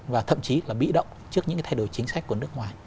và thậm chí là bị động trước những cái thay đổi chính sách của nước ngoài